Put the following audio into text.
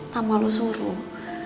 tanpa lo suruh